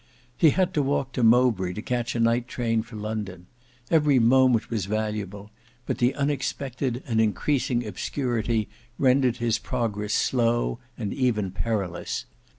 He had to walk to Mowbray to catch a night train for London. Every moment was valuable, but the unexpected and increasing obscurity rendered his progress slow and even perilous.